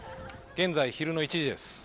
現在昼の１時です